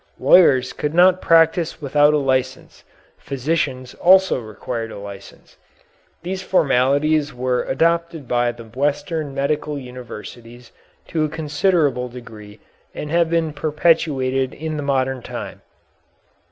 Lawyers could not practise without a license, physicians also required a license. These formalities were adopted by the Western medieval universities to a considerable degree and have been perpetuated in the modern time.